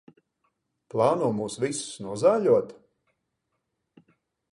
Plāno mūs visus nozāļot?